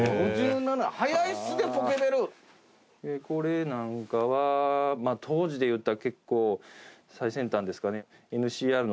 これなんかは当時でいったら結構最先端ですかね。